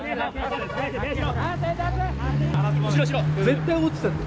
絶対落ちたって。